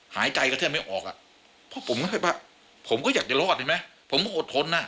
หายใจกระแทบไม่ออกอ่ะเพราะผมก็อยากจะรอดเห็นไหมผมก็อดทนอ่ะ